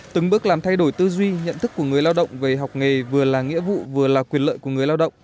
từng bước làm thay đổi tư duy nhận thức của người lao động về học nghề vừa là nghĩa vụ vừa là quyền lợi của người lao động